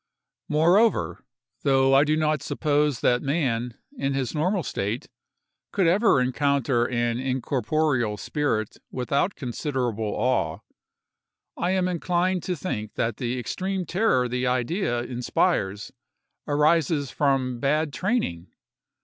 Moreover, though I do not suppose that man, in his normal state, could ever encounter an incorporeal spirit without considerable awe, I am inclined to think that the extreme terror the idea inspires arises from bad training.